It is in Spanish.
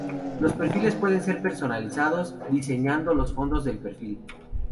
Los Perfiles pueden ser personalizados diseñando los fondos del perfil.